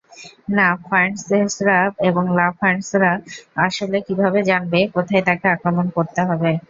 লা ফন্টেইনসরা এবং লা ফন্টেইনসরা আসলে কিভাবে জানবে কোথায় তাকে আক্রমণ করতে হবে?